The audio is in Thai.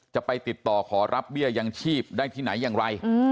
จะไปติดต่อขอรับเบี้ยยังชีพได้ที่ไหนอย่างไร